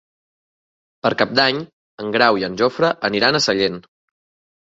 Per Cap d'Any en Grau i en Jofre aniran a Sallent.